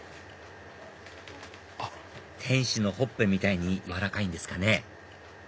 天使のほっぺみたいに柔らかいんですかね？